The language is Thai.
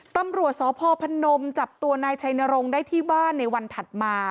ตำรวจสพพนมจับตัวนายชัยนรงค์ได้ที่บ้านในวันถัดมา